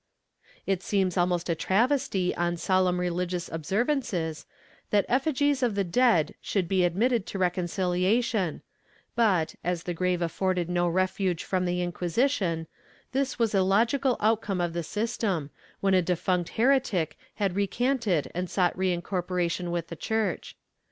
^ It seems almost a travesty on solemn religious observances that eflagies of the dead should be admitted to reconciliation but, as the grave afforded no refuge from the Inquisition, this was a logical outcome of the system, when a defunct heretic had recanted and sought reincorporation with the Church.